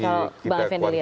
kalau bang fendelia